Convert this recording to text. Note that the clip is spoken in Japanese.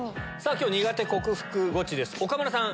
今日苦手克服ゴチです岡村さん